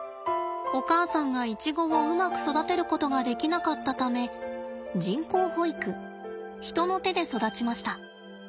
お母さんがイチゴをうまく育てることができなかったため人工哺育人の手で育ちました。